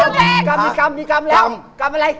อันนี้เลยอันนี้เลย